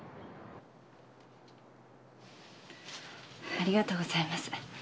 ありがとうございます。